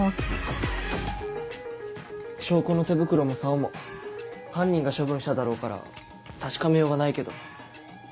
証拠の手袋も竿も犯人が処分しただろうから確かめようがないけど。